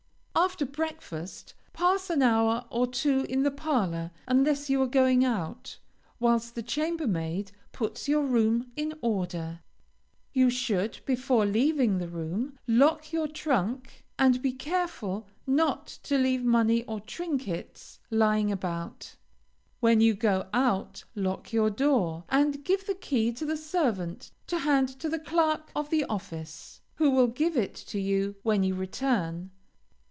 After breakfast, pass an hour or two in the parlor, unless you are going out, whilst the chambermaid puts your room in order. You should, before leaving the room, lock your trunk, and be careful not to leave money or trinkets lying about. When you go out, lock your door, and give the key to the servant to hand to the clerk of the office, who will give it to you when you return.